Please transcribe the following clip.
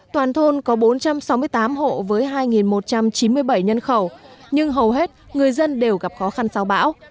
toàn thôn có bốn trăm sáu mươi tám hộ với hai một trăm chín mươi bảy nhân khẩu nhưng hầu hết người dân đều gặp khó khăn sau bão